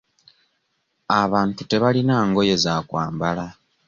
Abantu tebalina ngoye za kwambala.